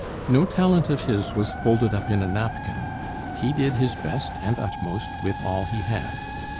No talent of his was folded up in a napkin: he did his best and utmost with all he had.